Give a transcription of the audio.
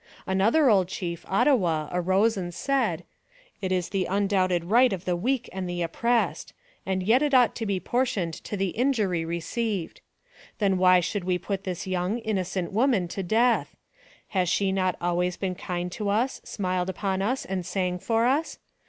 Another old chief, Ottawa, arose and said, " It is the undoubted right of the weak and oppressed; and yet it ought to be proportioned to the injury re ceived. Then why should we put this young, innocent woman to death ? Has she not always been kind to us, smiled upon us, and sang for us?